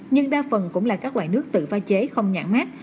nhưng đa phần cũng là các loại nước tự pha chế không nhãn mát